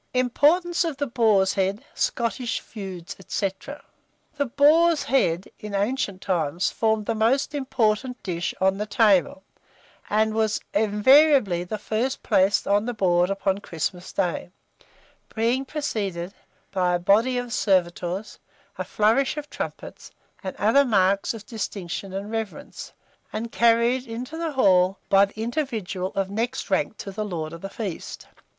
IMPORTANCE OF THE BOAR'S HEAD, SCOTTISH FEUDS, &c. The boar's head, in ancient times, formed the most important dish on the table, and was invariably the first placed on the board upon Christmas day, being preceded by a body of servitors, a flourish of trumpets, and other marks of distinction and reverence, and carried into the hall by the individual of next rank to the lord of the feast.